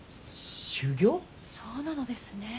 そうなのですね。